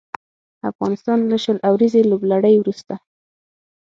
افغانستان له شل اوريزې لوبلړۍ وروسته